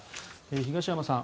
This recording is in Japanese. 東山さん